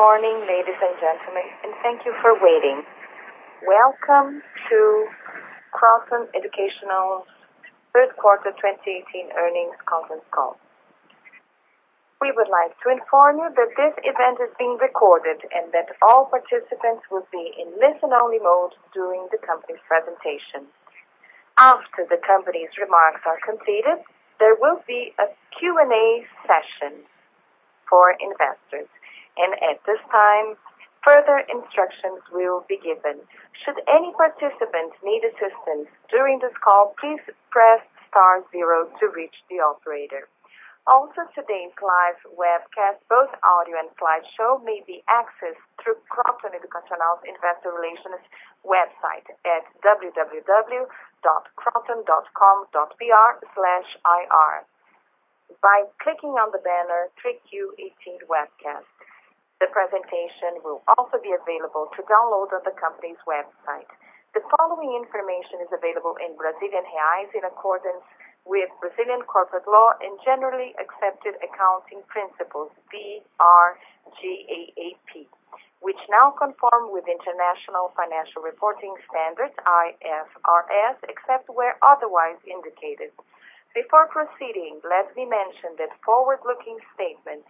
Good morning, ladies and gentlemen, and thank you for waiting. Welcome to Kroton Educacional third quarter 2018 earnings conference call. We would like to inform you that this event is being recorded, and that all participants will be in listen-only mode during the company's presentation. After the company's remarks are completed, there will be a Q&A session for investors. At this time, further instructions will be given. Should any participant need assistance during this call, please press star zero to reach the operator. Also, today's live webcast, both audio and slideshow, may be accessed through Kroton Educacional Investor Relations website at www.kroton.com.br/ir. By clicking on the banner 3Q 2018 Webcast. The presentation will also be available to download on the company's website. The following information is available in Brazilian reais in accordance with Brazilian corporate law and generally accepted accounting principles, BR GAAP, which now conform with International Financial Reporting Standards, IFRS, except where otherwise indicated. Before proceeding, let me mention that forward-looking statements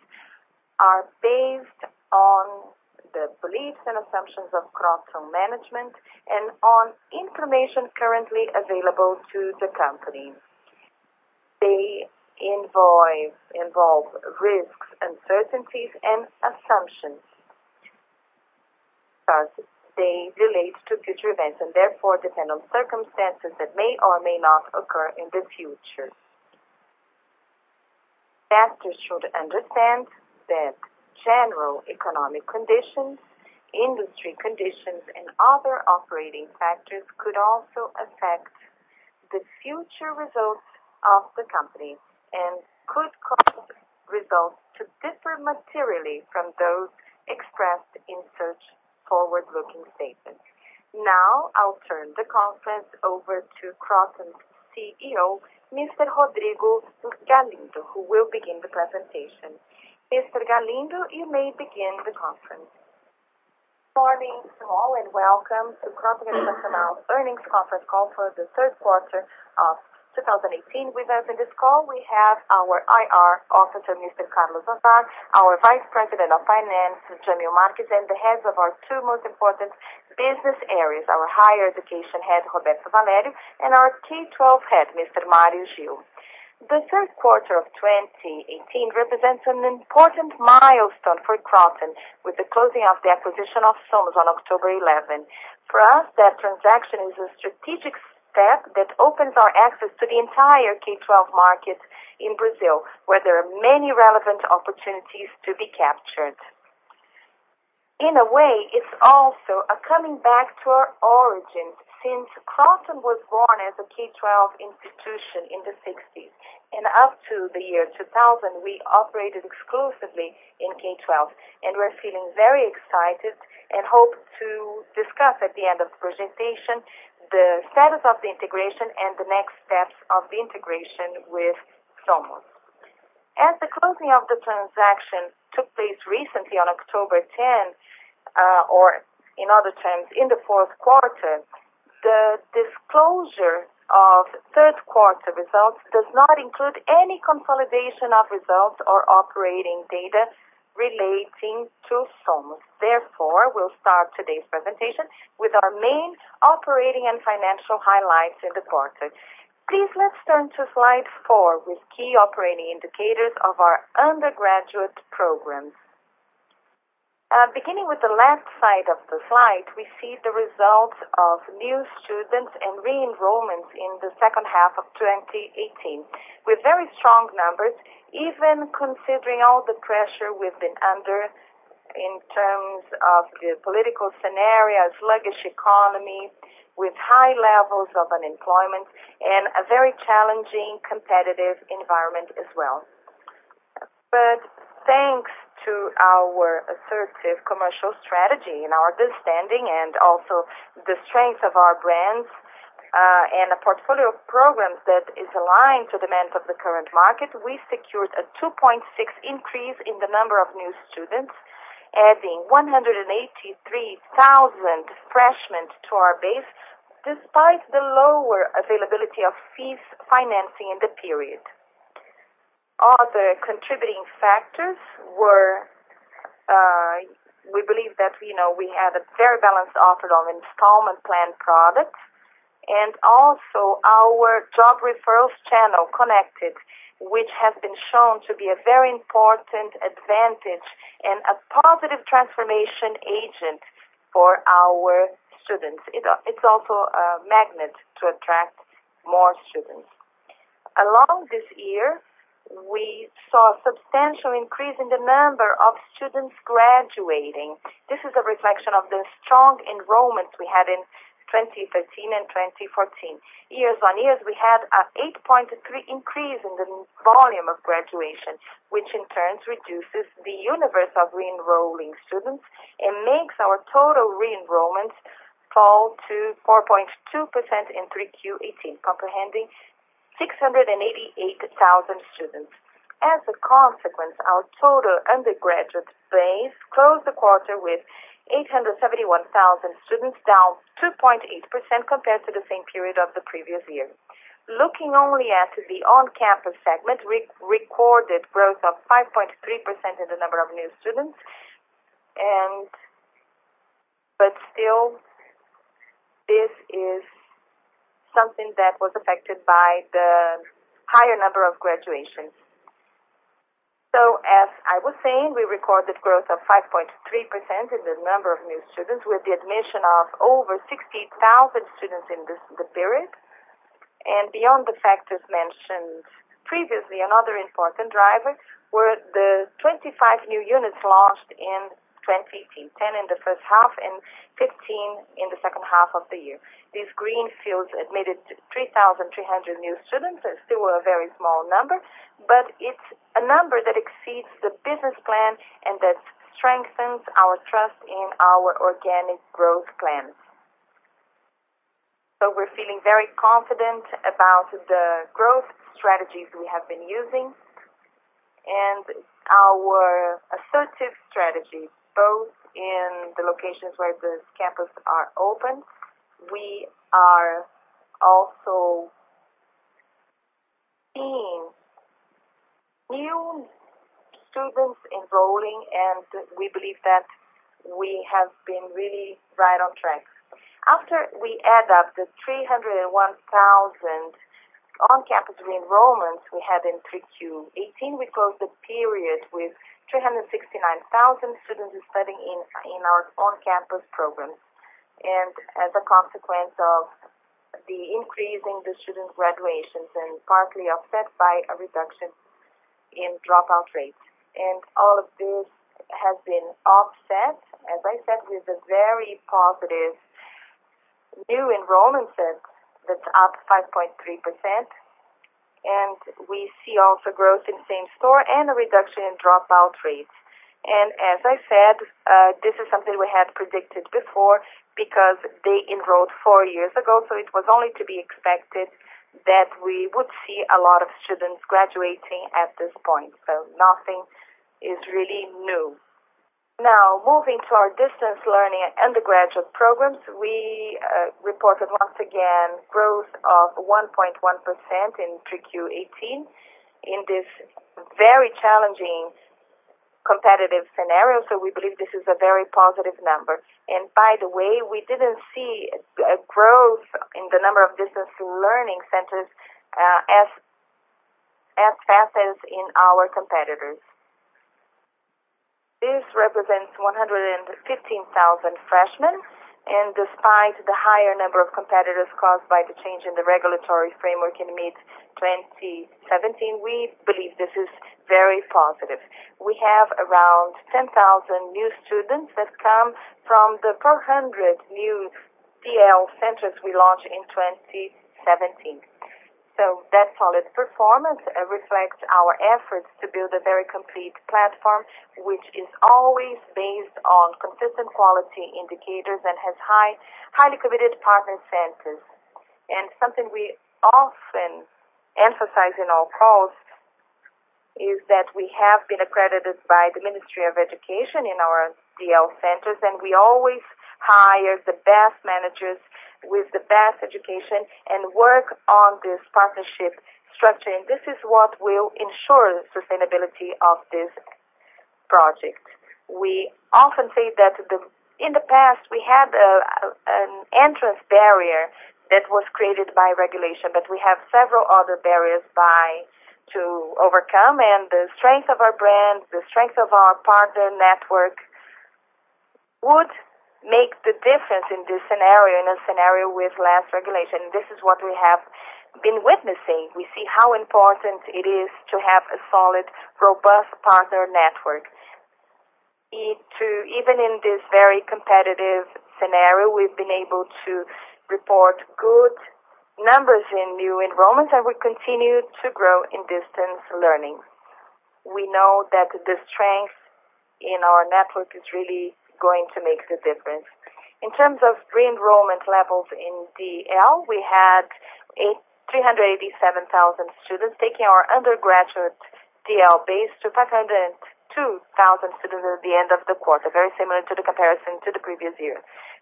are based on the beliefs and assumptions of Kroton management and on information currently available to the company. They involve risks, uncertainties, and assumptions, as they relate to future events and therefore depend on circumstances that may or may not occur in the future. Investors should understand that general economic conditions, industry conditions, and other operating factors could also affect the future results of the company and could cause results to differ materially from those expressed in such forward-looking statements. I'll turn the conference over to Kroton's CEO, Mr. Rodrigo Galindo, who will begin the presentation. Mr. Galindo, you may begin the conference. Morning to all, and welcome to Kroton Educacional's earnings conference call for the third quarter of 2018. With us on this call, we have our IR Officer, Mr. Carlos Lazar, our Vice President of Finance, Jamil Marques, and the Heads of our two most important business areas, our Higher Education Head, Roberto Valério, and our K-12 Head, Mr. Mario Ghio. The third quarter of 2018 represents an important milestone for Kroton with the closing of the acquisition of Somos on October 11. For us, that transaction is a strategic step that opens our access to the entire K-12 market in Brazil, where there are many relevant opportunities to be captured. In a way, it's also a coming back to our origins, since Kroton was born as a K-12 institution in the 1960s. Up to the year 2000, we operated exclusively in K-12. We're feeling very excited and hope to discuss at the end of the presentation the status of the integration and the next steps of the integration with Somos. As the closing of the transaction took place recently on October 10, or in other terms, in the fourth quarter, the disclosure of third quarter results does not include any consolidation of results or operating data relating to Somos. Therefore, we'll start today's presentation with our main operating and financial highlights in the quarter. Please let's turn to slide four with key operating indicators of our undergraduate programs. Beginning with the left side of the slide, we see the results of new students and re-enrollments in the second half of 2018. With very strong numbers, even considering all the pressure we've been under in terms of the political scenario, sluggish economy with high levels of unemployment, and a very challenging competitive environment as well. Thanks to our assertive commercial strategy and our good standing and also the strength of our brands, and a portfolio of programs that is aligned to demand of the current market, we secured a 2.6% increase in the number of new students, adding 183,000 freshmen to our base, despite the lower availability of fees financing in the period. Other contributing factors were, we believe that we have a very balanced offer of installment plan products. Also our job referrals channel connected, which has been shown to be a very important advantage and a positive transformation agent for our students. It's also a magnet to attract more students. Along this year, we saw a substantial increase in the number of students graduating. This is a reflection of the strong enrollments we had in 2013 and 2014. Year-on-year, we had an 8.3% increase in the volume of graduation, which in turn reduces the universe of re-enrolling students and makes our total re-enrollment fall to 4.2% in 3Q 2018, comprehending 688,000 students. As a consequence, our total undergraduate base closed the quarter with 871,000 students, down 2.8% compared to the same period of the previous year. Looking only at the on-campus segment, we recorded growth of 5.3% in the number of new students, but still, this is something that was affected by the higher number of graduations. As I was saying, we recorded growth of 5.3% in the number of new students with the admission of over 60,000 students in the period. Beyond the factors mentioned previously, another important driver were the 25 new units launched in 2015, 10 in the first half and 15 in the second half of the year. These greenfields admitted 3,300 new students, that's still a very small number. It's a number that exceeds the business plan and that strengthens our trust in our organic growth plans. We're feeling very confident about the growth strategies we have been using and our assertive strategies, both in the locations where the campus are open. We are also seeing new students enrolling, and we believe that we have been really right on track. After we add up the 301,000 on-campus enrollments we had in 3Q 2018, we closed the period with 369,000 students studying in our on-campus programs. As a consequence of the increase in the student graduations and partly offset by a reduction in dropout rates. All of this has been offset, as I said, with a very positive new enrollment set that's up 5.3%. We see also growth in same-store and a reduction in dropout rates. As I said, this is something we had predicted before because they enrolled four years ago, so it was only to be expected that we would see a lot of students graduating at this point. Nothing is really new. Now, moving to our distance learning undergraduate programs. We reported once again growth of 1.1% in 3Q 2018 in this very challenging competitive scenario. We believe this is a very positive number. By the way, we didn't see a growth in the number of distance learning centers as fast as in our competitors. This represents 115,000 freshmen, despite the higher number of competitors caused by the change in the regulatory framework in mid-2017, we believe this is very positive. We have around 10,000 new students that come from the 400 new DL centers we launched in 2017. That solid performance reflects our efforts to build a very complete platform, which is always based on consistent quality indicators and has highly committed partner centers. Something we often emphasize in our calls is that we have been accredited by the Ministry of Education in our DL centers, we always hire the best managers with the best education and work on this partnership structure. This is what will ensure the sustainability of this project. We often say that in the past, we had an entrance barrier that was created by regulation, but we have several other barriers to overcome, and the strength of our brand, the strength of our partner network would make the difference in this scenario, in a scenario with less regulation. This is what we have been witnessing. We see how important it is to have a solid, robust partner network. Even in this very competitive scenario, we have been able to report good numbers in new enrollments, and we continue to grow in distance learning. We know that the strength in our network is really going to make the difference. In terms of re-enrollment levels in DL, we had 387,000 students taking our undergraduate DL base to 502,000 students at the end of the quarter, very similar to the comparison to the previous year.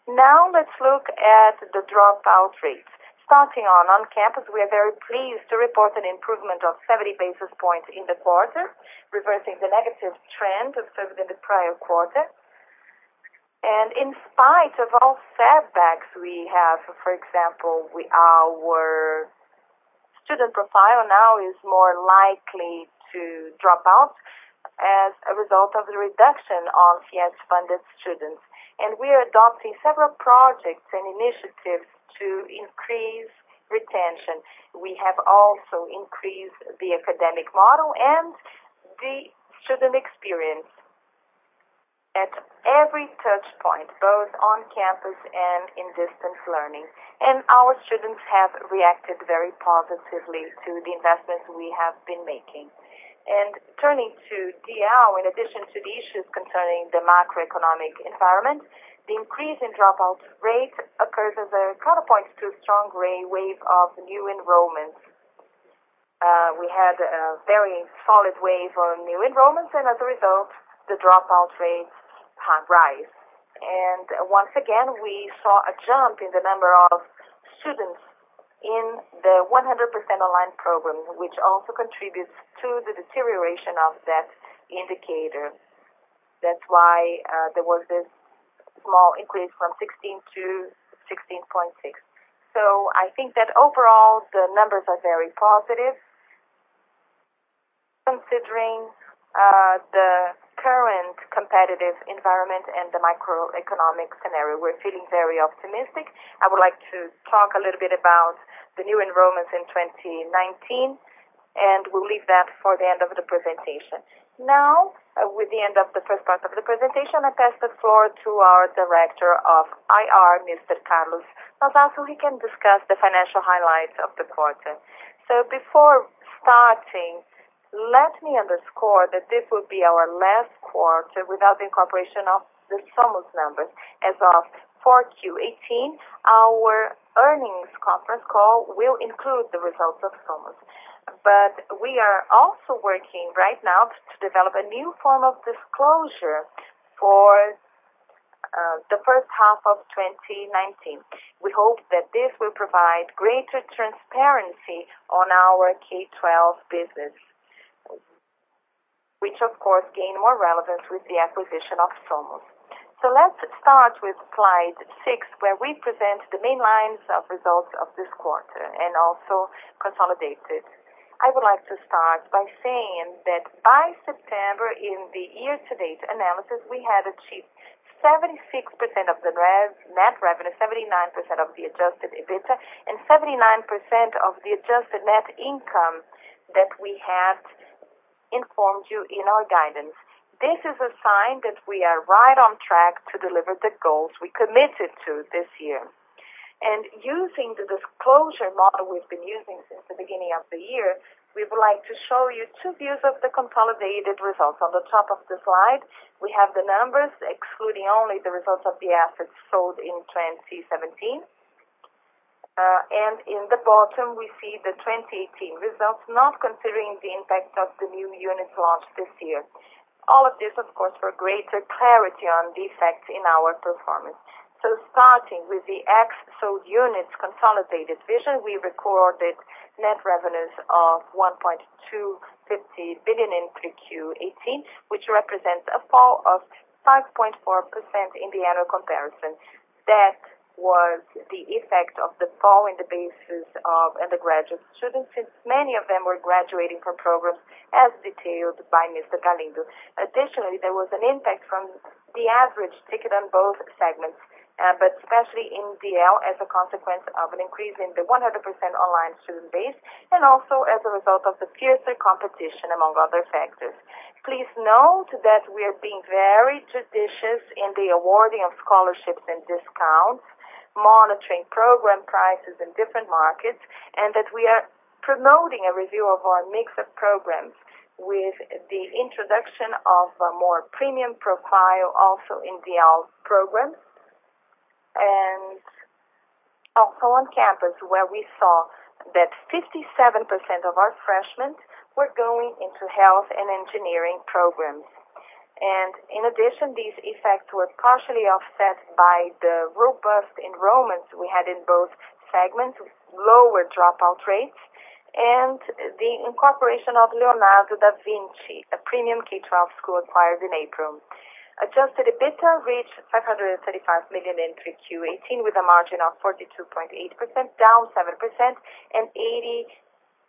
Let's look at the dropout rates. Starting on on-campus, we are very pleased to report an improvement of 70 basis points in the quarter, reversing the negative trend observed in the prior quarter. In spite of all setbacks we have, for example, our student profile now is more likely to drop out as a result of the reduction of FIES-funded students. We are adopting several projects and initiatives to increase retention. We have also increased the academic model and the student experience at every touch point, both on campus and in distance learning. Our students have reacted very positively to the investments we have been making. Turning to DL, in addition to the issues concerning the macroeconomic environment, the increase in dropout rate occurs as a counterpoint to a strong wave of new enrollments. We had a very solid wave on new enrollments, and as a result, the dropout rates have rise. Once again, we saw a jump in the number of students in the 100% online program, which also contributes to the deterioration of that indicator. That's why there was this small increase from 16% to 16.6%. I think that overall, the numbers are very positive considering the current competitive environment and the macroeconomic scenario. We're feeling very optimistic. I would like to talk a little bit about the new enrollments in 2019, and we'll leave that for the end of the presentation. With the end of the first part of the presentation, I pass the floor to our director of IR, Mr. Carlos Lazar. He can discuss the financial highlights of the quarter. Before starting, let me underscore that this will be our last quarter without the incorporation of the Somos numbers. As of 4Q 2018, our earnings conference call will include the results of Somos. We are also working right now to develop a new form of disclosure for the first half of 2019. We hope that this will provide greater transparency on our K-12 business, which, of course, gain more relevance with the acquisition of Somos. Let's start with slide six, where we present the main lines of results of this quarter and also consolidated. I would like to start by saying that by September, in the year-to-date analysis, we had achieved 76% of the net revenue, 79% of the adjusted EBITDA, and 79% of the adjusted net income that we had informed you in our guidance. This is a sign that we are right on track to deliver the goals we committed to this year. Using the disclosure model we've been using since the beginning of the year, we would like to show you two views of the consolidated results. On the top of the slide, we have the numbers excluding only the results of the assets sold in 2017. In the bottom, we see the 2018 results, not considering the impact of the new units launched this year. All of this, of course, for greater clarity on the effects in our performance. Starting with the ex so units consolidated vision, we recorded net revenues of 1.250 billion in 3Q 2018, which represents a fall of 5.4% in the annual comparison. That was the effect of the fall in the bases of undergraduate students, since many of them were graduating from programs as detailed by Mr. Galindo. Additionally, there was an impact from the average ticket on both segments, but especially in DL as a consequence of an increase in the 100% online student base, and also as a result of the fiercer competition, among other factors. Please note that we are being very judicious in the awarding of scholarships and discounts, monitoring program prices in different markets, and that we are promoting a review of our mix of programs with the introduction of a more premium profile also in DL programs. Also on campus, where we saw that 57% of our freshmen were going into health and engineering programs. In addition, these effects were partially offset by the robust enrollments we had in both segments, lower dropout rates, and the incorporation of Leonardo Da Vinci, a premium K-12 school acquired in April. Adjusted EBITDA reached 535 million in 3Q 2018 with a margin of 42.8%, down 7% and 80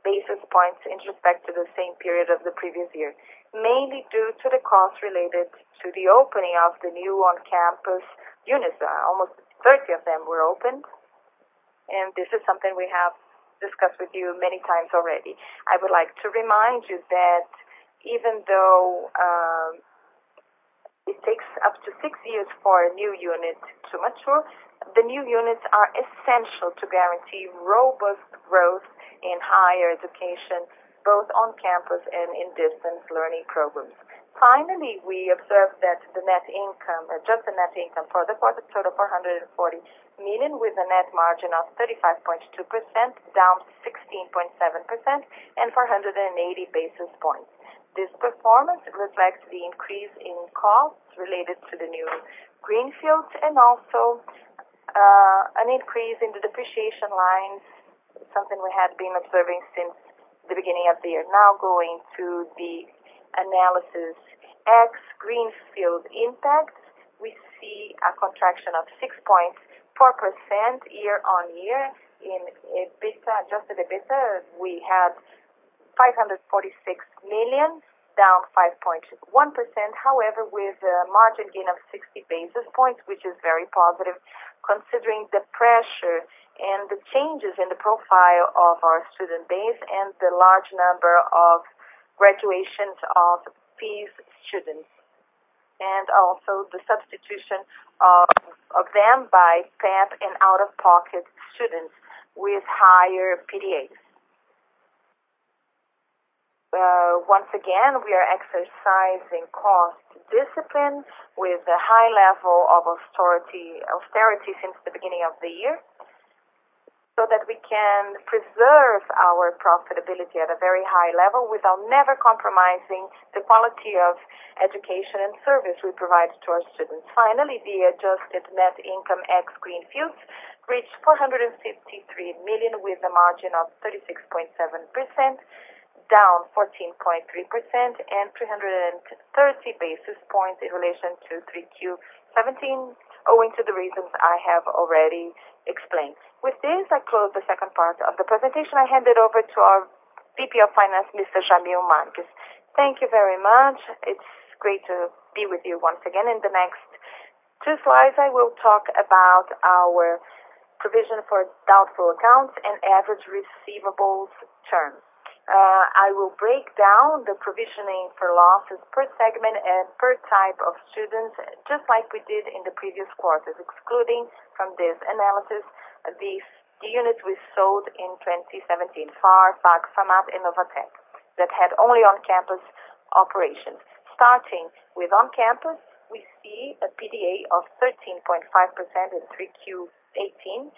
basis points in respect to the same period of the previous year, mainly due to the cost related to the opening of the new on-campus units. Almost 30 of them were opened, and this is something we have discussed with you many times already. I would like to remind you that even though it takes up to six years for a new unit to mature, the new units are essential to guarantee robust growth in higher education, both on campus and in distance learning programs. Finally, we observed that the adjusted net income for the quarter totaled 440 million with a net margin of 35.2%, down 16.7% and 480 basis points. This performance reflects the increase in costs related to the new greenfields and also an increase in the depreciation lines, something we had been observing since the beginning of the year. Going to the analysis ex greenfield impact, we see a contraction of 6.4% year-on-year. In adjusted EBITDA, we had 546 million, down 5.1%. With a margin gain of 60 basis points, which is very positive considering the pressure and the changes in the profile of our student base and the large number of graduations of FIES students. Also the substitution of them by PEP and out-of-pocket students with higher PDAs. Once again, we are exercising cost discipline with a high level of austerity since the beginning of the year so that we can preserve our profitability at a very high level without ever compromising the quality of education and service we provide to our students. Finally, the adjusted net income ex greenfields reached 453 million, with a margin of 36.7%, down 14.3% and 330 basis points in relation to 3Q 2017, owing to the reasons I have already explained. With this, I close the second part of the presentation. I hand it over to our VP of Finance, Mr. Jamil Marques. Thank you very much. It is great to be with you once again. In the next two slides, I will talk about our provision for doubtful accounts and average receivables terms. I will break down the provisioning for losses per segment and per type of students, just like we did in the previous quarters, excluding from this analysis the units we sold in 2017, FAIR, FAC, FAMAT, and NOVATEC, that had only on-campus operations. Starting with on-campus, we see a PDA of 13.5% in 3Q 2018,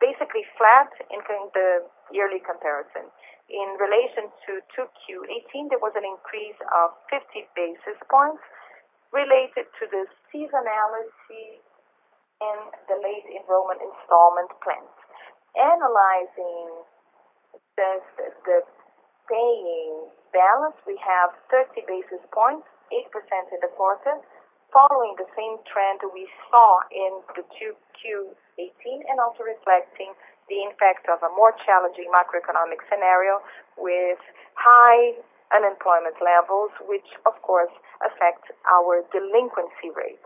basically flat in the yearly comparison. In relation to 2Q 2018, there was an increase of 50 basis points related to the seasonality and the late enrollment installment plans. Analyzing the paying balance, we have 30 basis points, 8% in the quarter, following the same trend we saw in the 2Q 2018 and also reflecting the impact of a more challenging macroeconomic scenario with high unemployment levels, which, of course, affects our delinquency rates.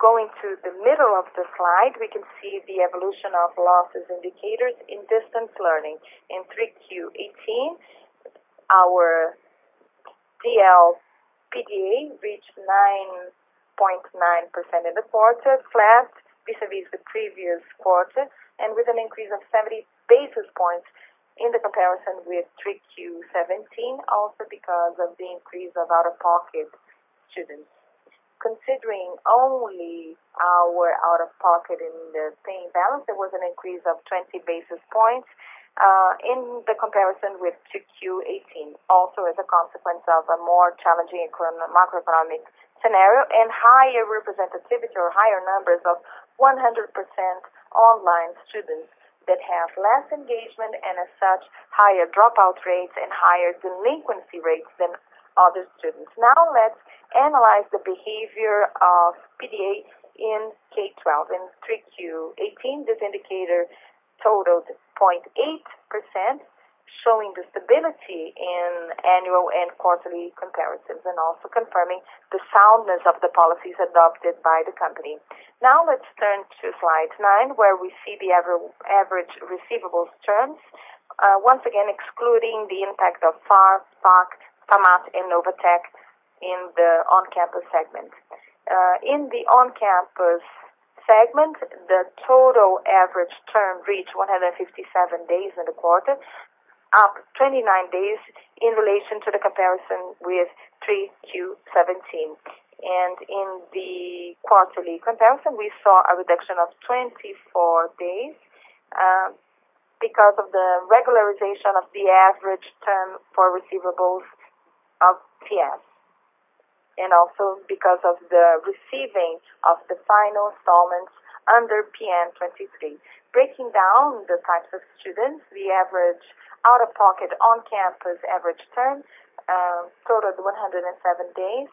Going to the middle of the slide, we can see the evolution of losses indicators in distance learning. In 3Q 2018, our DL PDA reached 9.9% in the quarter, flat vis-à-vis the previous quarter, and with an increase of 70 basis points in the comparison with 3Q 2017, also because of the increase of out-of-pocket students. Considering only our out-of-pocket in the paying balance, there was an increase of 20 basis points in the comparison with 2Q 2018, also as a consequence of a more challenging macroeconomic scenario and higher representativity or higher numbers of 100% online students that have less engagement and as such, higher dropout rates and higher delinquency rates than other students. Let's analyze the behavior of PDA in K-12. In 3Q 2018, this indicator totaled 0.8%, showing the stability in annual and quarterly comparisons and also confirming the soundness of the policies adopted by the company. Let's turn to slide nine, where we see the average receivables terms, once again excluding the impact of FAIR, FAC, FAMAT, and NOVATEC in the on-campus segment. In the on-campus segment, the total average term reached 157 days in the quarter, up 29 days in relation to the comparison with 3Q 2017. In the quarterly comparison, we saw a reduction of 24 days because of the regularization of the average term for receivables of FIES, and also because of the receiving of the final installments under PN23. Breaking down the types of students, the average out-of-pocket on-campus average term totaled 107 days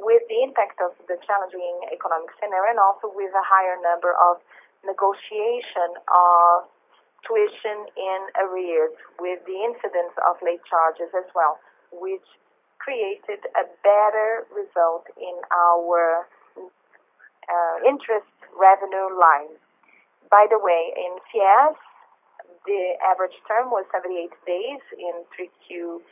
with the impact of the challenging economic scenario and also with a higher number of negotiation of tuition in arrears with the incidence of late charges as well, which created a better result in our interest revenue line. By the way, in PS, the average term was 78 days in 3Q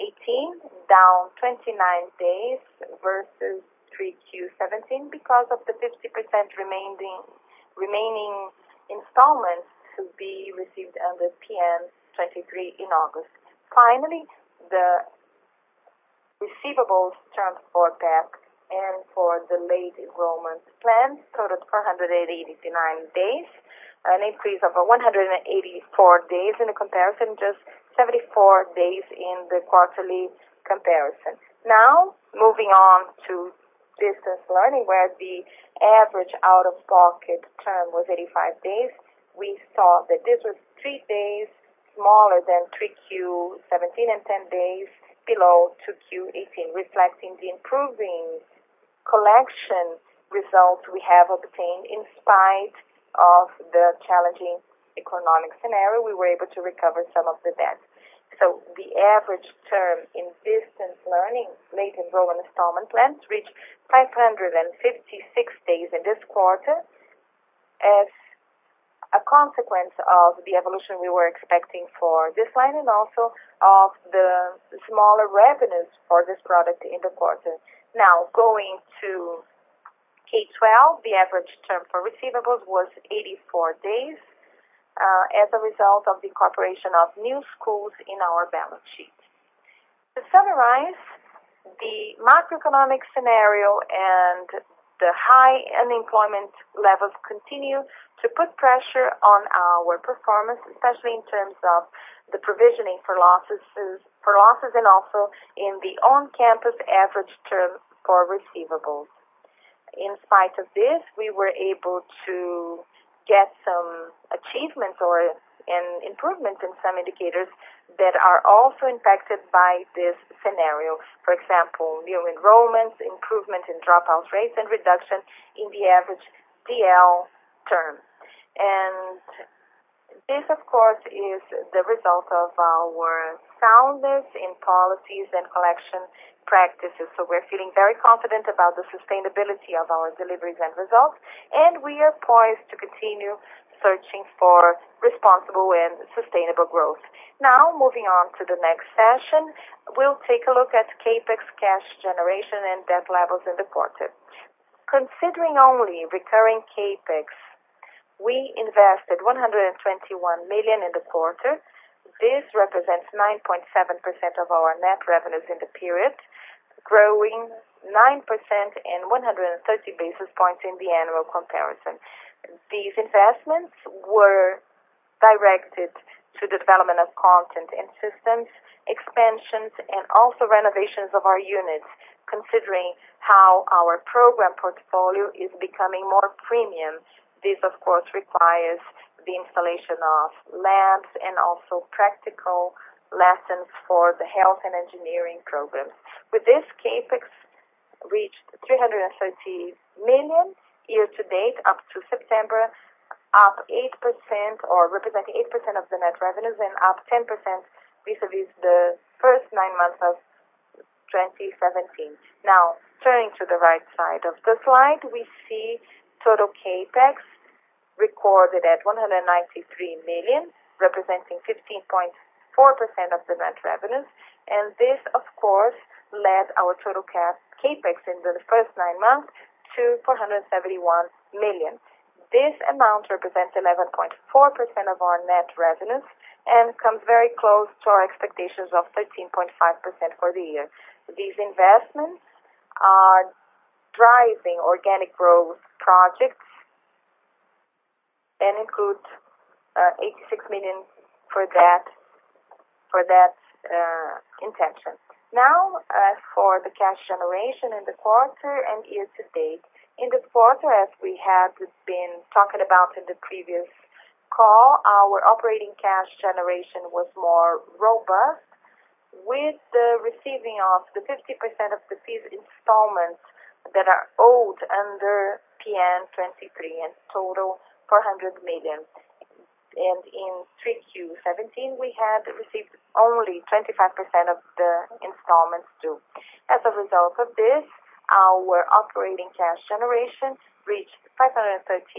2018, down 29 days versus 3Q 2017 because of the 50% remaining installments to be received under PN23 in August. Finally, the receivables terms for PAC and for the late enrollment plan totaled 489 days, an increase of 184 days in the comparison, just 74 days in the quarterly comparison. Moving on to distance learning, where the average out-of-pocket term was 85 days. We saw that this was three days smaller than 3Q 2017 and 10 days below 2Q 2018, reflecting the improving collection results we have obtained. In spite of the challenging economic scenario, we were able to recover some of the debt. The average term in distance learning, late enrollment installment plans, reached 556 days in this quarter as a consequence of the evolution we were expecting for this line and also of the smaller revenues for this product in the quarter. Going to K-12, the average term for receivables was 84 days, as a result of the incorporation of new schools in our balance sheet. To summarize, the macroeconomic scenario and the high unemployment levels continue to put pressure on our performance, especially in terms of the provisioning for losses, and also in the on-campus average term for receivables. In spite of this, we were able to get some achievements or an improvement in some indicators that are also impacted by this scenario. For example, new enrollments, improvement in dropout rates, and reduction in the average DL term. This, of course, is the result of our soundness in policies and collection practices. We're feeling very confident about the sustainability of our deliveries and results, and we are poised to continue searching for responsible and sustainable growth. Moving on to the next session, we'll take a look at CapEx cash generation and debt levels in the quarter. Considering only recurring CapEx, we invested 121 million in the quarter. This represents 9.7% of our net revenues in the period, growing 9% and 130 basis points in the annual comparison. These investments were directed to the development of content and systems, expansions, and also renovations of our units. Considering how our program portfolio is becoming more premium, this, of course, requires the installation of labs and also practical lessons for the health and engineering programs. With this, CapEx reached 330 million year-to-date up to September, up 8% or representing 8% of the net revenues and up 10% vis-a-vis the first nine months of 2017. Turning to the right side of the slide, we see total CapEx recorded at 193 million, representing 15.4% of the net revenues. This, of course, led our total CapEx in the first nine months to 471 million. This amount represents 11.4% of our net revenues and comes very close to our expectations of 13.5% for the year. These investments are driving organic growth projects and include 86 million for that intention. As for the cash generation in the quarter and year-to-date. In the quarter, as we had been talking about in the previous call, our operating cash generation was more robust with the receiving of the 50% of the fees installments that are owed under PN23 in total, BRL 400 million. In 3Q 2017, we had received only 25% of the installments due. As a result of this, our operating cash generation reached 538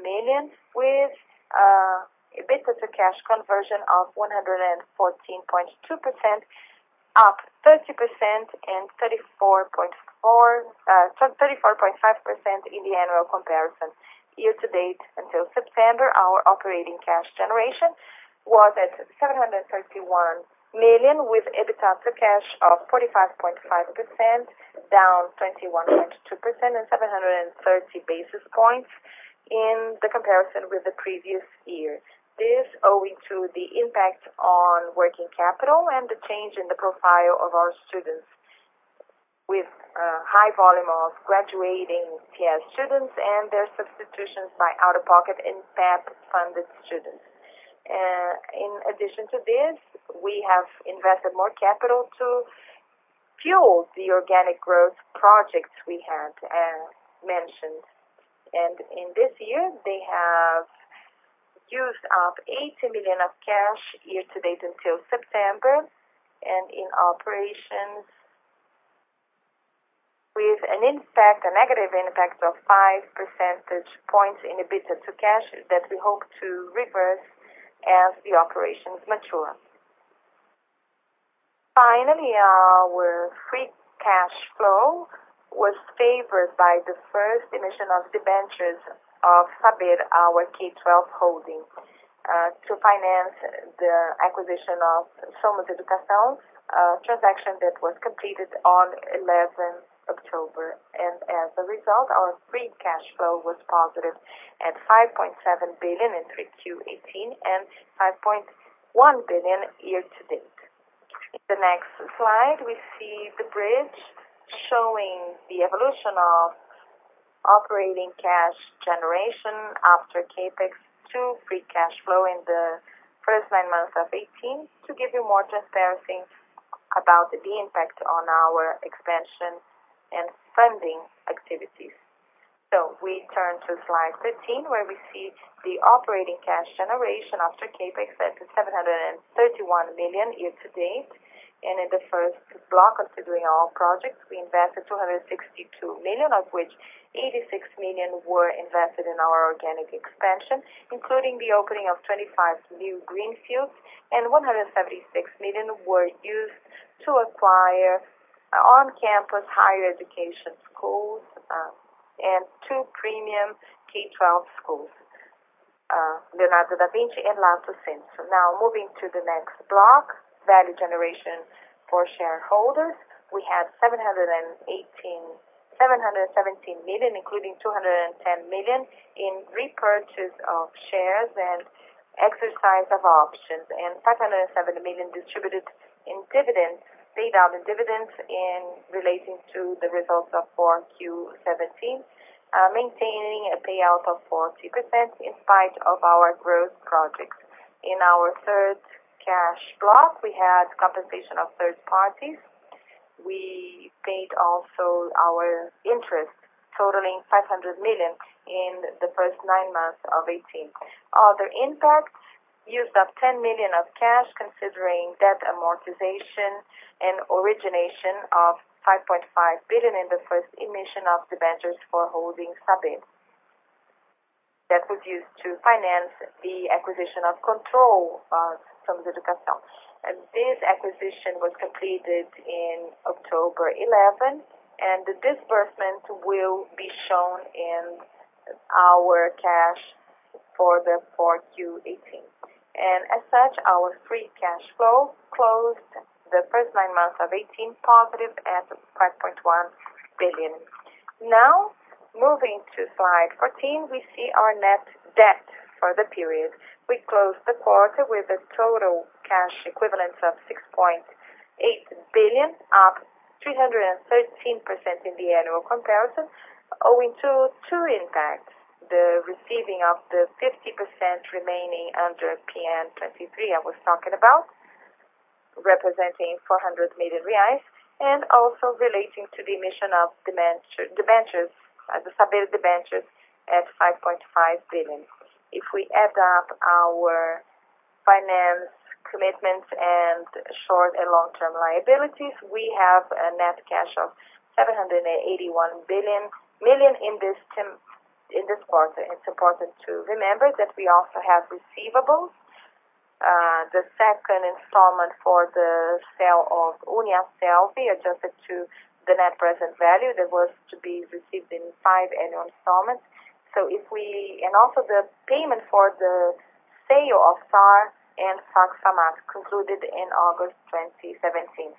million with EBITDA to cash conversion of 114.2%, up 30% and 34.5% in the annual comparison. Year-to-date until September, our operating cash generation was at 731 million, with EBITDA to cash of 45.5%, down 21.2% and 730 basis points in the comparison with the previous year. This owing to the impact on working capital and the change in the profile of our students with a high volume of graduating PS students and their substitutions by out-of-pocket and PEP-funded students. In addition to this, we have invested more capital to fuel the organic growth projects we had mentioned. In this year, they have used up 80 million of cash year-to-date until September, and in operations with a negative impact of five percentage points in EBITDA to cash that we hope to reverse as the operations mature. Finally, our free cash flow was favored by the first emission of debentures of Saber, our K-12 holding, to finance the acquisition of Somos Educação, a transaction that was completed on 11 October. As a result, our free cash flow was positive at 5.7 billion in 3Q 2018 and 5.1 billion year-to-date. In the next slide, we see the bridge showing the evolution of operating cash generation after CapEx to free cash flow in the first nine months of 2018 to give you more transparency about the impact on our expansion and funding activities. We turn to slide 13, where we see the operating cash generation after CapEx at 731 million year-to-date. In the first block, considering our projects, we invested 262 million, of which 86 million were invested in our organic expansion, including the opening of 25 new greenfields, and 176 million were used to acquire on-campus higher education schools and two premium K-12 schools, Leonardo Da Vinci and La Sapienza. Moving to the next block, value generation for shareholders. We have 717 million, including 210 million in repurchase of shares and exercise of options, and 507 million distributed in dividends, paid out in dividends and relating to the results of 4Q 2017, maintaining a payout of 40% in spite of our growth projects. In our third cash block, we had compensation of third parties. We paid also our interest totaling 500 million in the first nine months of 2018. Other impacts, used up 10 million of cash considering debt amortization and origination of 5.5 billion in the first emission of debentures for holding Saber. That was used to finance the acquisition of control of Somos Educação. This acquisition was completed in October 11, and the disbursement will be shown in our cash for the 4Q 2018. As such, our free cash flow closed the first nine months of 2018 positive at 5.1 billion. Moving to slide 14, we see our net debt for the period. We closed the quarter with a total cash equivalent of 6.8 billion, up 313% in the annual comparison, owing to two impacts, the receiving of the 50% remaining under PN23 I was talking about, representing 400 million reais, and also relating to the emission of debentures, the Saber debentures at 5.5 billion. If we add up our finance commitments and short and long-term liabilities, we have a net cash of 781 million in this quarter. It's important to remember that we also have receivables. The second installment for the sale of Uniasselvi, adjusted to the net present value that was to be received in five annual installments. Also the payment for the sale of FAIR and FAC/FAMAT concluded in August 2017.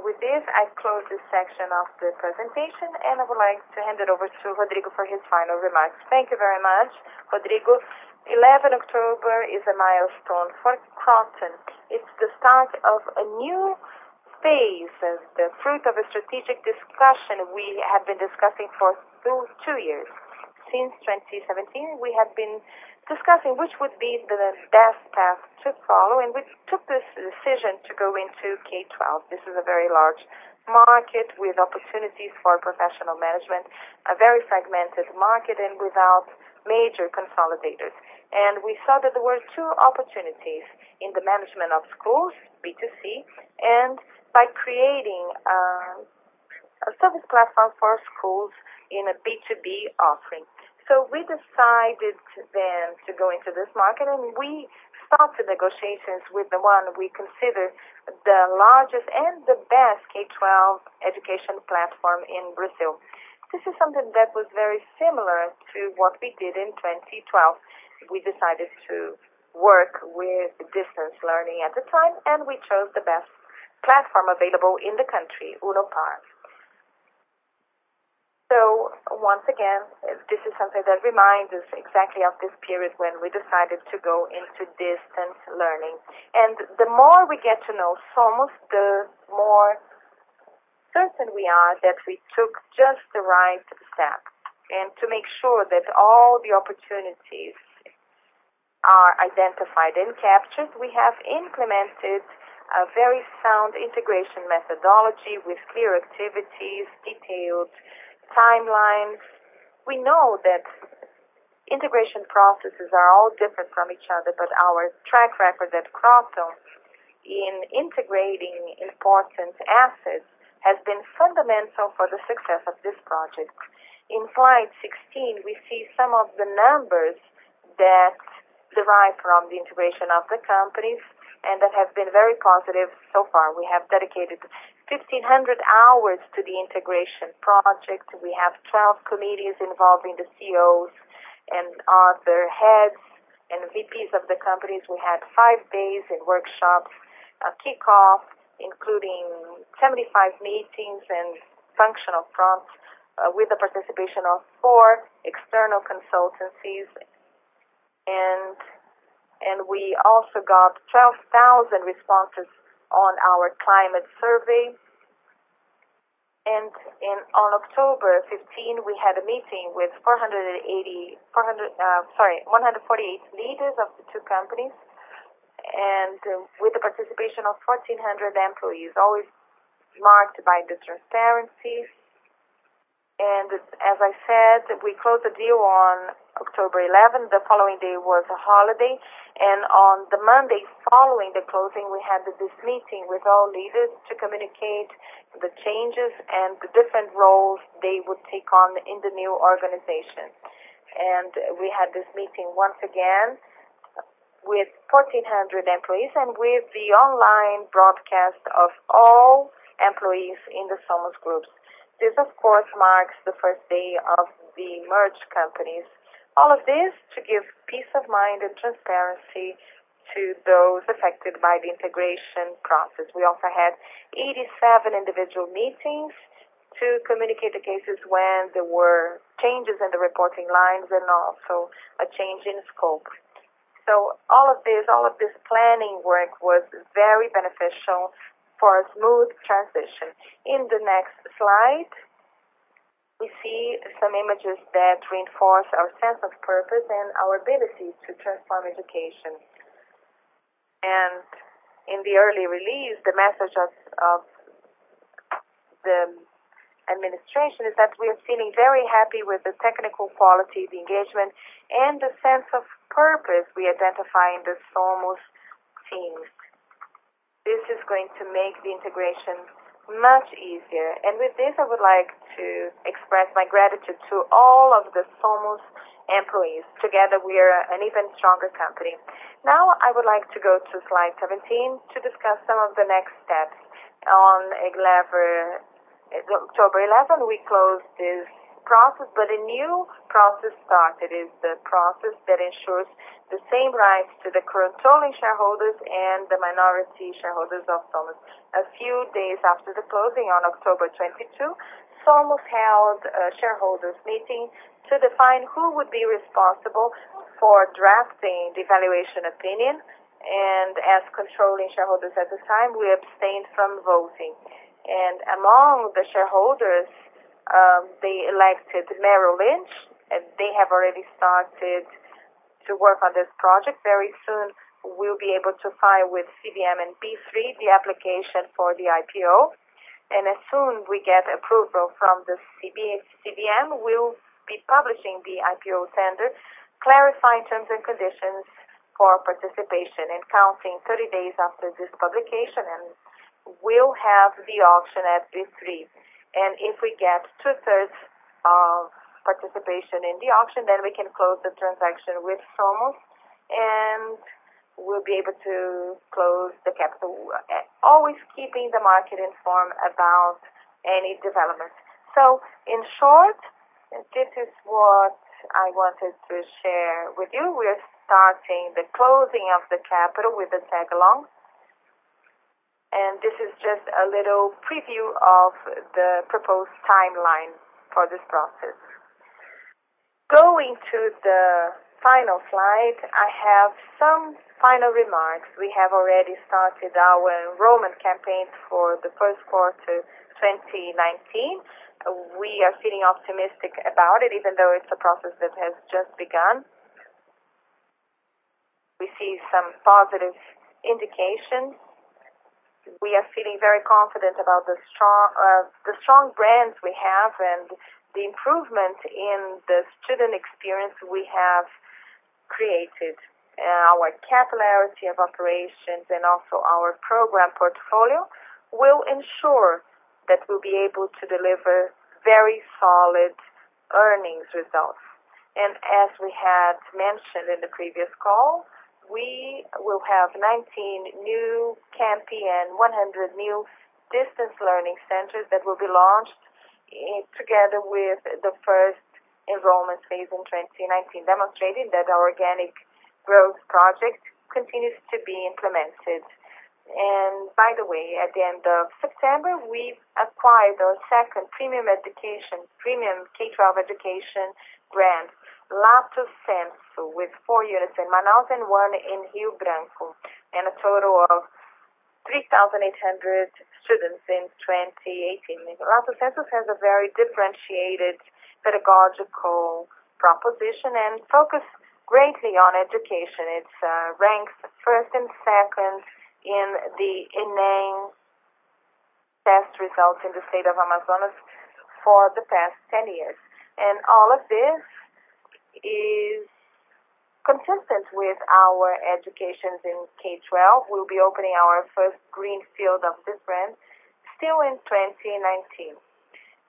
With this, I close this section of the presentation, and I would like to hand it over to Rodrigo for his final remarks. Thank you very much. Rodrigo? October 11 is a milestone for Kroton. It's the start of a new phase as the fruit of a strategic discussion we have been discussing for two years. Since 2017, we have been discussing which would be the best path to follow, and we took this decision to go into K-12. This is a very large market with opportunities for professional management, a very fragmented market and without major consolidators. We saw that there were two opportunities in the management of schools, B2C, and by creating a service platform for schools in a B2B offering. We decided then to go into this market, and we started negotiations with the one we consider the largest and the best K-12 education platform in Brazil. This is something that was very similar to what we did in 2012. We decided to work with distance learning at the time, and we chose the best platform available in the country, Unopar. Once again, this is something that reminds us exactly of this period when we decided to go into distance learning. The more we get to know Somos, the more certain we are that we took just the right step. To make sure that all the opportunities are identified and captured, we have implemented a very sound integration methodology with clear activities, detailed timelines. We know that integration processes are all different from each other, but our track record at Kroton in integrating important assets has been fundamental for the success of this project. In slide 16, we see some of the numbers that derive from the integration of the companies, and that have been very positive so far. We have dedicated 1,500 hours to the integration project. We have 12 committees involving the COs and other heads and VPs of the companies. We had five days in workshops, a kickoff, including 75 meetings and functional prompts with the participation of four external consultancies. We also got 12,000 responses on our climate survey. On October 15, we had a meeting with 148 leaders of the two companies, and with the participation of 1,400 employees, always marked by transparency. As I said, we closed the deal on October 11. The following day was a holiday. On the Monday following the closing, we had this meeting with all leaders to communicate the changes and the different roles they would take on in the new organization. We had this meeting once again with 1,400 employees and with the online broadcast of all employees in the Somos groups. This, of course, marks the first day of the merged companies. All of this to give peace of mind and transparency to those affected by the integration process. We also had 87 individual meetings to communicate the cases when there were changes in the reporting lines and also a change in scope. All of this planning work was very beneficial for a smooth transition. In the next slide, we see some images that reinforce our sense of purpose and our ability to transform education. In the early release, the message of the administration is that we are feeling very happy with the technical quality, the engagement, and the sense of purpose we identify in the Somos teams. This is going to make the integration much easier. With this, I would like to express my gratitude to all of the Somos employees. Together, we are an even stronger company. Now, I would like to go to slide 17 to discuss some of the next steps. On October 11, we closed this process, but a new process started. It's the process that ensures the same rights to the controlling shareholders and the minority shareholders of Somos. A few days after the closing on October 22, Somos held a shareholders meeting to define who would be responsible for drafting the valuation opinion. As controlling shareholders at the time, we abstained from voting. Among the shareholders, they elected Merrill Lynch, and they have already started to work on this project. Very soon, we'll be able to file with CVM and B3, the application for the IPO. As soon we get approval from the CVM, we'll be publishing the IPO tender, clarifying terms and conditions for participation, and counting 30 days after this publication. We'll have the auction at B3. If we get two-thirds of participation in the auction, then we can close the transaction with Somos, and we'll be able to close the capital, always keeping the market informed about any development. In short, this is what I wanted to share with you. We're starting the closing of the capital with the tag along. This is just a little preview of the proposed timeline for this process. Going to the final slide, I have some final remarks. We have already started our enrollment campaign for the first quarter 2019. We are feeling optimistic about it, even though it's a process that has just begun. We see some positive indications. We are feeling very confident about the strong brands we have and the improvement in the student experience we have created. Our capillarity of operations and also our program portfolio will ensure that we'll be able to deliver very solid earnings results. As we had mentioned in the previous call, we will have 19 new Campi and 100 new distance learning centers that will be launched together with the first enrollment phase in 2019, demonstrating that our organic growth project continues to be implemented. By the way, at the end of September, we acquired our second premium K-12 education brand, Lato Sensu, with four units in Manaus and one in Rio Branco, and a total of 3,800 students in 2018. Lato Sensu has a very differentiated pedagogical proposition and focus greatly on education. It ranks first and second in the ENEM test results in the state of Amazonas for the past 10 years. All of this is consistent with our education in K-12. We'll be opening our first greenfield of this brand still in 2019.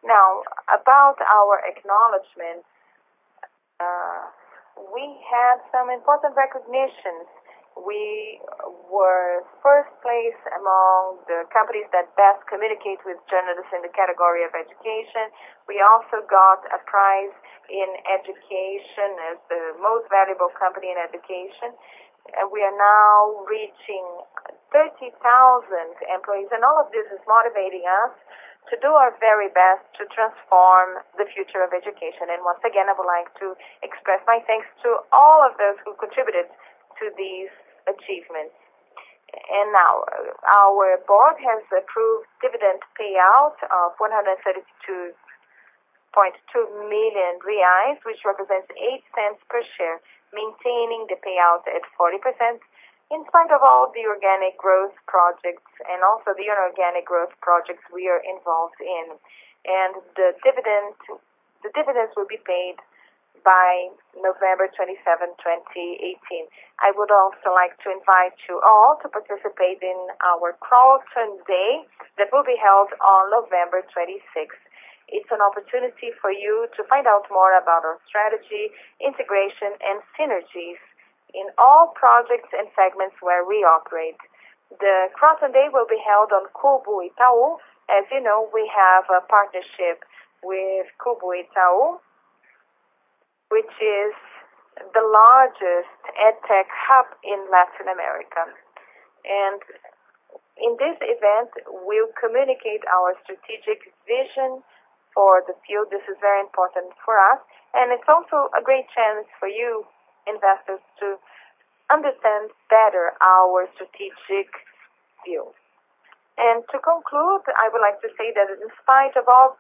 Now, about our acknowledgement. We have some important recognitions. We were first place among the companies that best communicate with journalists in the category of education. We also got a prize in education as the most valuable company in education. We are now reaching 30,000 employees, all of this is motivating us to do our very best to transform the future of education. Once again, I would like to express my thanks to all of those who contributed to these achievements. Now, our board has approved dividend payout of 132.2 million reais, which represents 0.08 per share, maintaining the payout at 40% in spite of all the organic growth projects and also the inorganic growth projects we are involved in. The dividends will be paid by November 27, 2018. I would also like to invite you all to participate in our Kroton Day that will be held on November 26. It's an opportunity for you to find out more about our strategy, integration, and synergies in all projects and segments where we operate. The Kroton Day will be held on Cubo Itaú. As you know, we have a partnership with Cubo Itaú, which is the largest EdTech hub in Latin America. In this event, we'll communicate our strategic vision for the field. This is very important for us, and it's also a great chance for you investors to understand better our strategic view. To conclude, I would like to say that in spite of all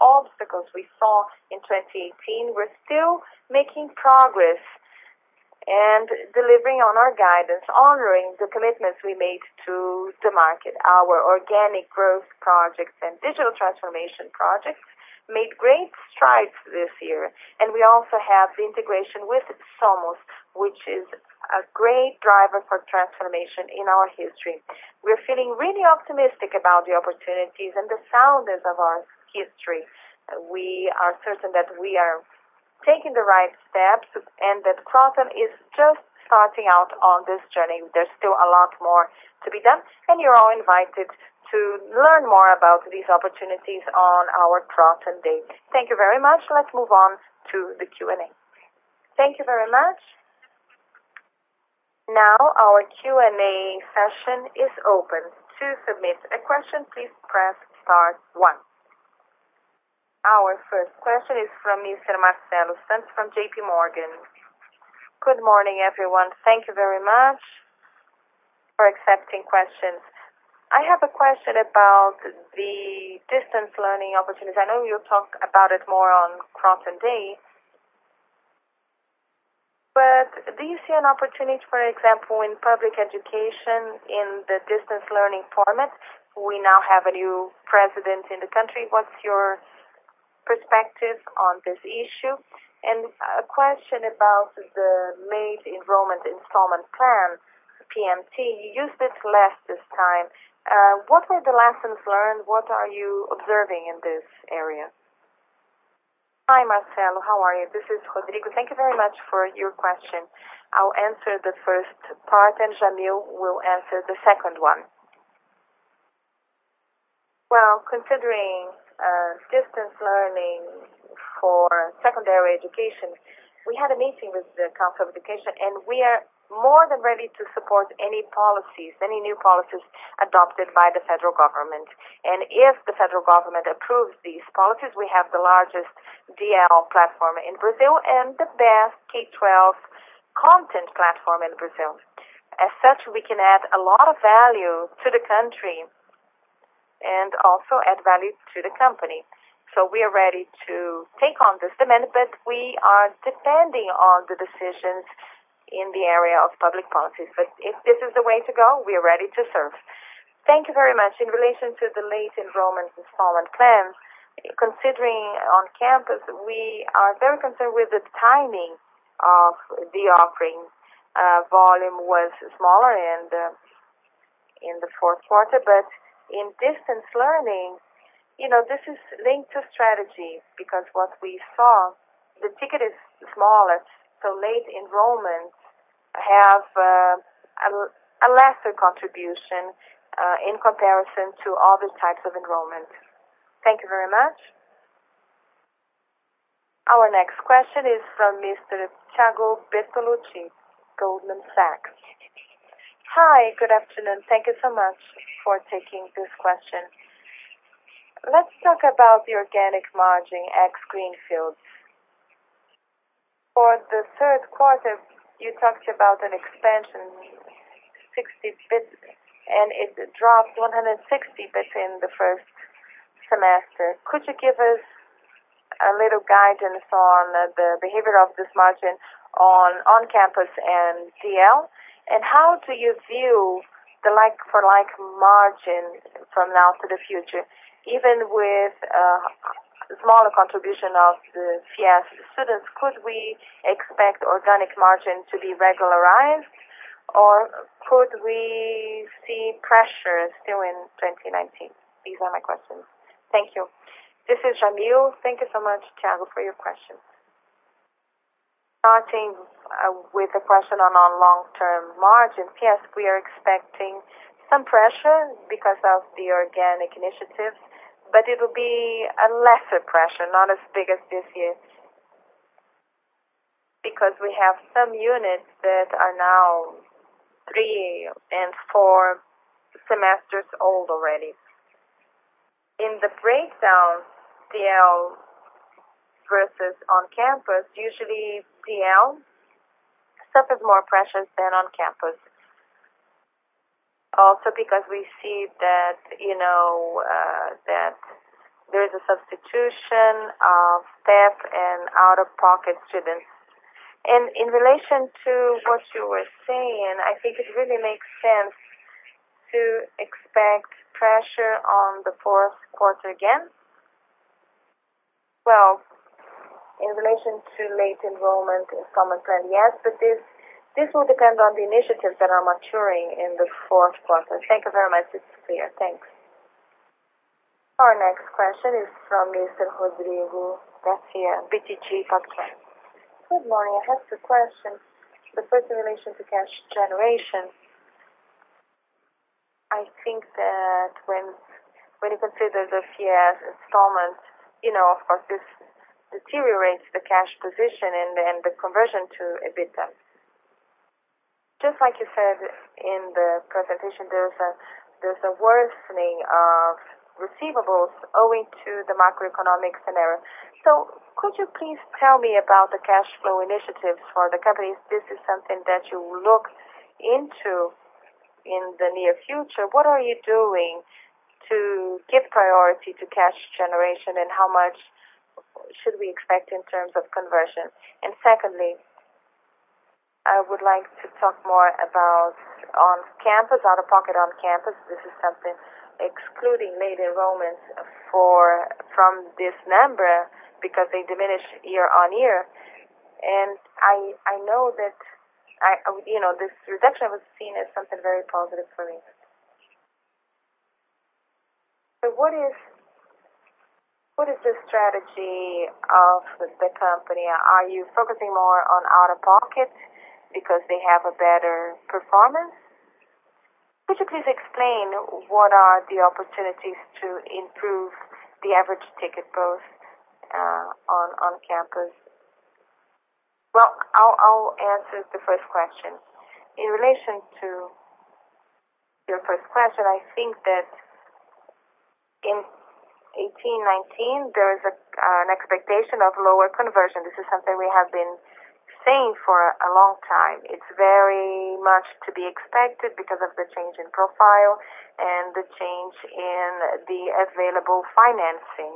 obstacles we saw in 2018, we're still making progress and delivering on our guidance, honoring the commitments we made to the market. Our organic growth projects and digital transformation projects made great strides this year. We also have the integration with Somos, which is a great driver for transformation in our history. We're feeling really optimistic about the opportunities and the soundness of our history. We are certain that we are taking the right steps and that Kroton is just starting out on this journey. There's still a lot more to be done, and you're all invited to learn more about these opportunities on our Kroton Day. Thank you very much. Let's move on to the Q&A. Thank you very much. Now our Q&A session is open. To submit a question, please press star one. Our first question is from Mr. Marcelo Santos from JPMorgan. Good morning, everyone. Thank you very much for accepting questions. I have a question about the distance learning opportunities. I know you'll talk about it more on Kroton Day, but do you see an opportunity, for example, in public education in the distance learning format? We now have a new president in the country. What's your perspective on this issue? A question about the late enrollment installment plan, PMT. You used it less this time. What were the lessons learned? What are you observing in this area? Hi, Marcelo. How are you? This is Rodrigo. Thank you very much for your question. I'll answer the first part, and Jamil will answer the second one. Considering distance learning for secondary education, we had a meeting with the Council of Education, and we are more than ready to support any new policies adopted by the federal government. If the federal government approves these policies, we have the largest DL platform in Brazil and the best K-12 content platform in Brazil. As such, we can add a lot of value to the country and also add value to the company. We are ready to take on this demand, but we are depending on the decisions in the area of public policies. If this is the way to go, we are ready to serve. Thank you very much. In relation to the late enrollment installment plan, considering on-campus, we are very concerned with the timing of the offering. Volume was smaller in the fourth quarter. In distance learning, this is linked to strategy because what we saw, the ticket is smaller, so late enrollments have a lesser contribution in comparison to other types of enrollment. Thank you very much. Our next question is from Mr. Thiago Bortoluci, Goldman Sachs. Hi, good afternoon. Thank you so much for taking this question. Let's talk about the organic margin ex greenfields. For the third quarter, you talked about an expansion, 60 basis points, and it dropped 160 basis points in the first semester. Could you give us a little guidance on the behavior of this margin on on-campus and DL? How do you view the like-for-like margin from now to the future? Even with a smaller contribution of the FIES students, could we expect organic margin to be regularized, or could we see pressures still in 2019? These are my questions. Thank you. This is Jamil. Thank you so much, Thiago, for your question. Starting with a question on our long-term margin. Yes, we are expecting some pressure because of the organic initiatives, but it'll be a lesser pressure, not as big as this year's. We have some units that are now three and four semesters old already. In the breakdown, DL versus on-campus, usually DL suffers more pressures than on-campus. Also because we see that there is a substitution of PEP and out-of-pocket students. In relation to what you were saying, I think it really makes sense to expect pressure on the fourth quarter again. In relation to late enrollment installment plan, yes, but this will depend on the initiatives that are maturing in the fourth quarter. Thank you very much. This is clear. Thanks. Our next question is from Mr. Rodrigo Gastim, BTG Pactual. Good morning. I have two questions. The first in relation to cash generation. I think that when you consider the FIES installment, this deteriorates the cash position and the conversion to EBITDA. Just like you said in the presentation, there is a worsening of receivables owing to the macroeconomic scenario. Could you please tell me about the cash flow initiatives for the company? If this is something that you will look into in the near future. What are you doing to give priority to cash generation, and how much should we expect in terms of conversion? Secondly, I would like to talk more about on-campus, out-of-pocket on-campus. This is something excluding late enrollments from this number because they diminish year-on-year. I know that this reduction was seen as something very positive for me. What is the strategy of the company? Are you focusing more on out-of-pocket because they have a better performance? Could you please explain what are the opportunities to improve the average ticket growth on campus? I'll answer the first question. In relation to your first question, I think that in 2018, 2019, there is an expectation of lower conversion. This is something we have been saying for a long time. It's very much to be expected because of the change in profile and the change in the available financing.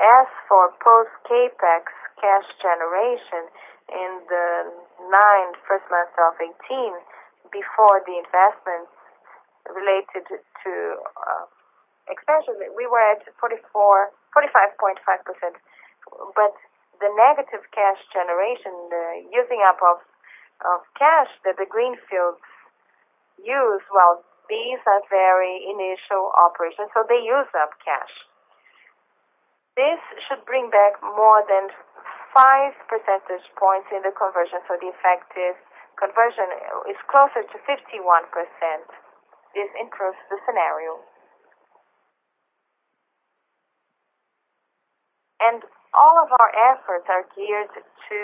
As for post-CapEx cash generation in the nine first months of 2018, before the investments related to expansion, we were at 45.5%. The negative cash generation, the using up of cash that the greenfields use, well, these are very initial operations, so they use up cash. This should bring back more than five percentage points in the conversion. The effective conversion is closer to 51%. This improves the scenario. All of our efforts are geared to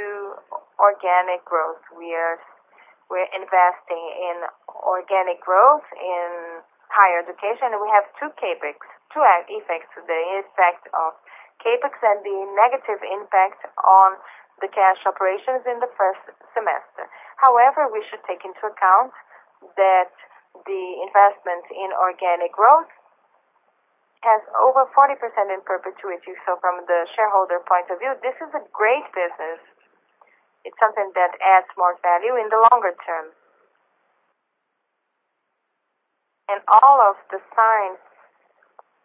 organic growth. We're investing in organic growth in higher education, and we have two CapEx, two effects. The effect of CapEx and the negative impact on the cash operations in the first semester. We should take into account that the investment in organic growth has over 40% in perpetuity. From the shareholder point of view, this is a great business. It's something that adds more value in the longer term. All of the signs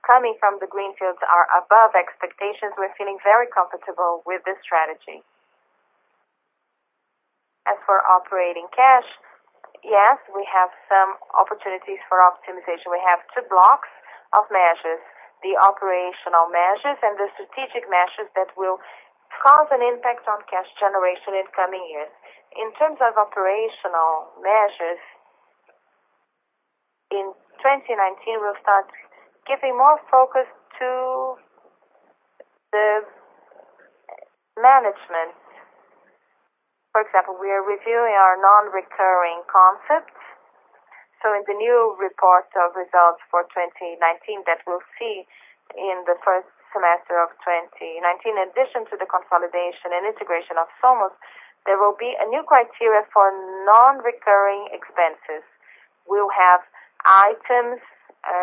coming from the greenfields are above expectations. We're feeling very comfortable with this strategy. As for operating cash, we have some opportunities for optimization. We have two blocks of measures, the operational measures and the strategic measures that will cause an impact on cash generation in coming years. In terms of operational measures, in 2019, we'll start giving more focus to the management. For example, we are reviewing our non-recurring concept. In the new report of results for 2019 that we'll see in the first semester of 2019, in addition to the consolidation and integration of Somos, there will be a new criteria for non-recurring expenses. We'll have items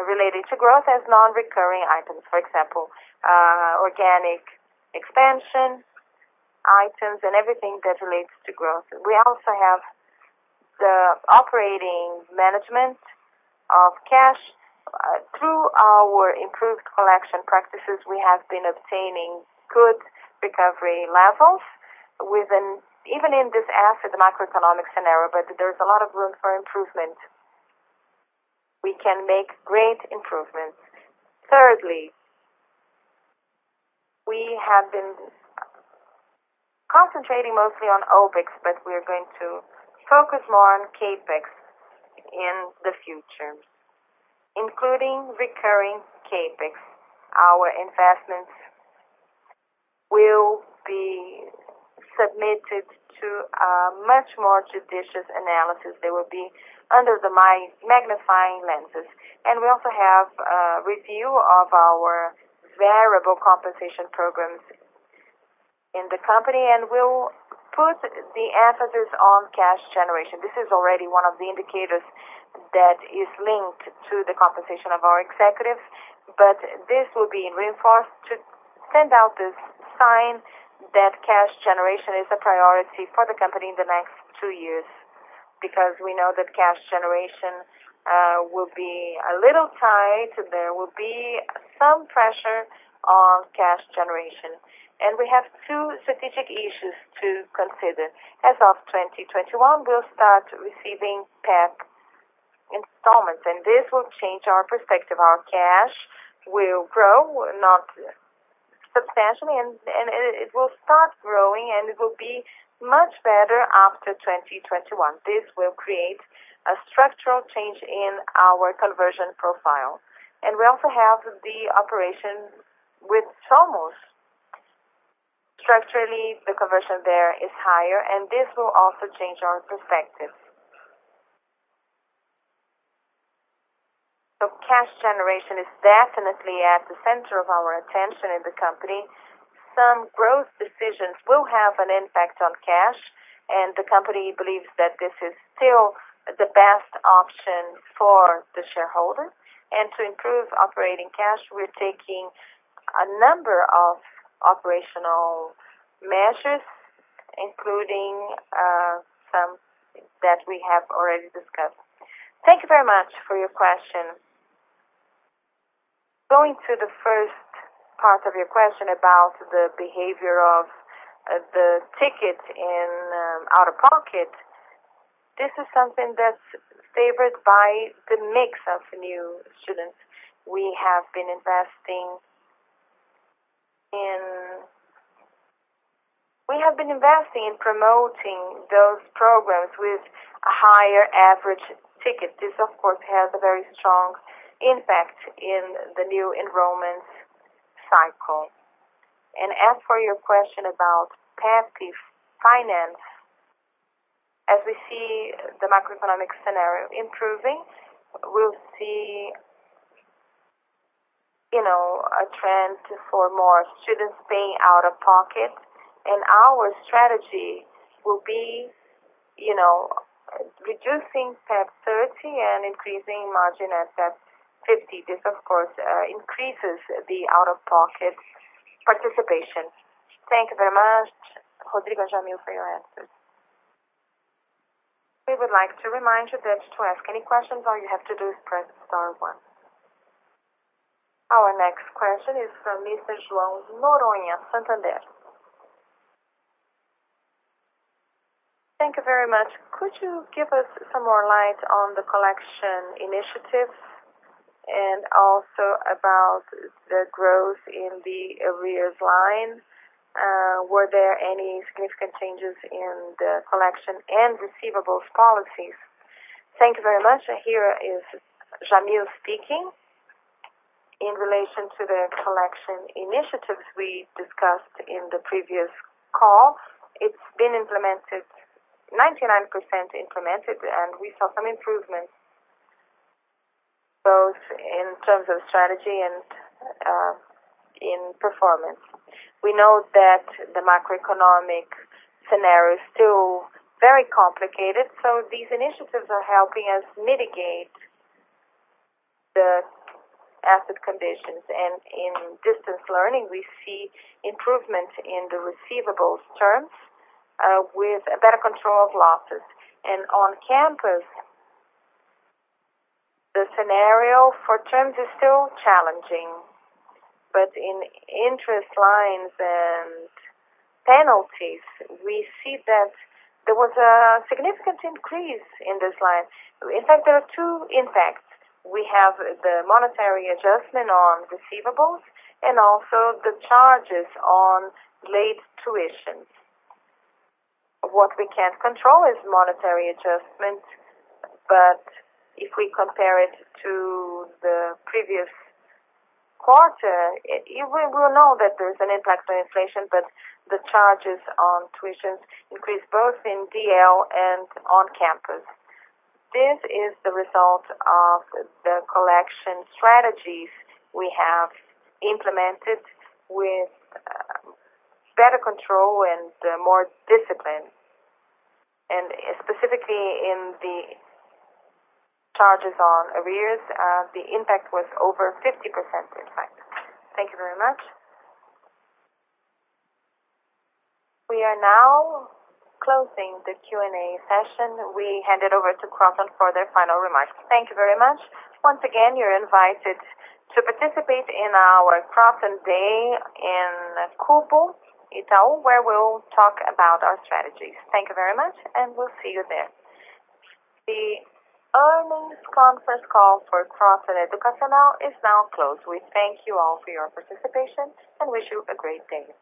related to growth as non-recurring items. For example, organic expansion items and everything that relates to growth. We also have the operating management of cash. Through our improved collection practices, we have been obtaining good recovery levels even in this acid macroeconomic scenario. There's a lot of room for improvement. We can make great improvements. Thirdly, we have been concentrating mostly on OpEx, but we are going to focus more on CapEx in the future, including recurring CapEx. Our investments will be submitted to a much more judicious analysis. They will be under the magnifying lenses. We also have a review of our variable compensation programs in the company. We'll put the emphasis on cash generation. This is already one of the indicators that is linked to the compensation of our executives. This will be reinforced to send out this sign that cash generation is a priority for the company in the next two years. We know that cash generation will be a little tight. There will be some pressure on cash generation. We have two strategic issues to consider. As of 2021, we'll start receiving PEP installments, and this will change our perspective. Our cash will grow, not substantially. It will start growing, and it will be much better after 2021. This will create a structural change in our conversion profile. We also have the operation with Somos. Structurally, the conversion there is higher. This will also change our perspective. Cash generation is definitely at the center of our attention in the company. Some growth decisions will have an impact on cash. The company believes that this is still the best option for the shareholder. To improve operating cash, we're taking a number of operational measures, including some that we have already discussed. Thank you very much for your question. Going to the first part of your question about the behavior of the ticket in out-of-pocket, this is something that's favored by the mix of new students. We have been investing in promoting those programs with a higher average ticket. This, of course, has a very strong impact in the new enrollment cycle. As for your question about PEP finance, as we see the macroeconomic scenario improving, we'll see a trend for more students paying out of pocket. Our strategy will be reducing PEP30 and increasing margin at PEP50. This, of course, increases the out-of-pocket participation. Thank you very much, Rodrigo and Jamil, for your answers. We would like to remind you that to ask any questions, all you have to do is press star one. Our next question is from Mr. Joao Noronha, Banco Santander. Thank you very much. Could you give us some more light on the collection initiatives and also about the growth in the arrears line? Were there any significant changes in the collection and receivables policies? Thank you very much. Here is Jamil speaking. In relation to the collection initiatives we discussed in the previous call, it's been 99% implemented. We saw some improvements both in terms of strategy and in performance. We know that the macroeconomic scenario is still very complicated, so these initiatives are helping us mitigate the asset conditions. In distance learning, we see improvement in the receivables terms with better control of losses. On campus, the scenario for terms is still challenging. In interest lines and penalties, we see that there was a significant increase in this line. In fact, there are two impacts. We have the monetary adjustment on receivables and also the charges on late tuitions. What we can't control is monetary adjustment. If we compare it to the previous quarter, we know that there's an impact on inflation, but the charges on tuitions increase both in DL and on campus. This is the result of the collection strategies we have implemented with better control and more discipline. Specifically in the charges on arrears, the impact was over 50% this time. Thank you very much. We are now closing the Q&A session. We hand it over to Kroton for their final remarks. Thank you very much. Once again, you're invited to participate in our Kroton Day in Cubo Itaú, where we'll talk about our strategies. Thank you very much, and we'll see you there. The earnings conference call for Kroton Educacional is now closed. We thank you all for your participation and wish you a great day.